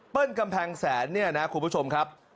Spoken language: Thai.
กำแพงแสนเนี่ยนะคุณผู้ชมครับ